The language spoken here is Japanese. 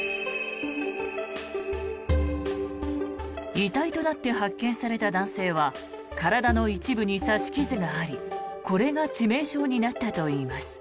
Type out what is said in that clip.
遺体となって発見された男性は体の一部に刺し傷がありこれが致命傷になったといいます。